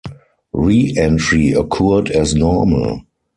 Reentry occurred as normal.